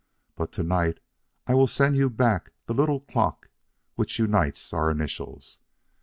But to night I will send you back the little clock which unites our initials.